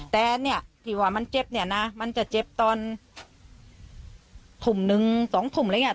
แต่เนี่ยที่ว่ามันเจ็บเนี่ยนะมันจะเจ็บตอนทุ่มหนึ่งสองทุ่มอะไรอย่างเงี้